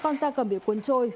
hai mươi con da cầm bị cuốn trôi